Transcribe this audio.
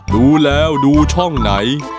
ดูแล้วดูช่องไหน